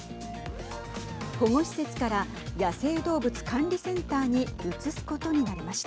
保護施設から野生動物管理センターに移すことになりました。